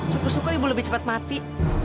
syukur syukur ibu lebih cepat mati